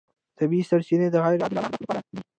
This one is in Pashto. طبیعي سرچینې د غیر عادلانه اهدافو لپاره دي.